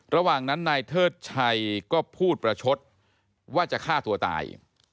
ระหว่างนั้นนายเทิดชัยก็พูดประชดว่าจะฆ่าตัวตาย